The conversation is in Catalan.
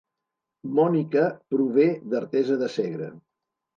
Mònica prové d'Artesa de Segre